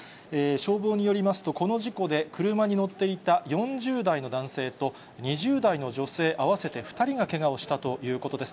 消防によりますと、この事故で、車に乗っていた４０代の男性と２０代の女性合わせて２人がけがをしたということです。